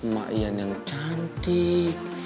mak iyan yang cantik